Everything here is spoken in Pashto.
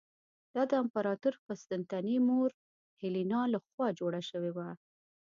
دا د امپراتور قسطنطین مور هیلینا له خوا جوړه شوې وه.